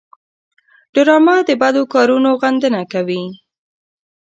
ډرامه د بدو کارونو غندنه کوي